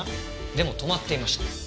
でも止まっていました。